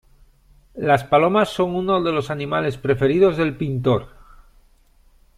Las palomas son unos de los animales preferidos del pintor.